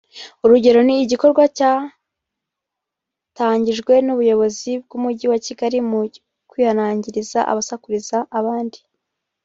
urugero ni igikorwa cyatangijwe n’ubuyobozi bw’umujyi wa kigali mu kwihanangiriza abasakuriza abandi